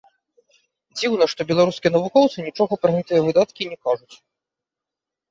Дзіўна, што беларускія навукоўцы нічога пра гэтыя выдаткі не кажуць.